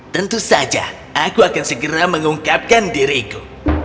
tentu saja aku akan segera mengungkapkan diriku